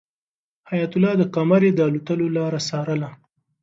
حیات الله د قمرۍ د الوتلو لاره څارله.